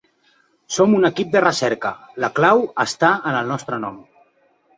Som un equip de recerca, la clau està en el nostre nom.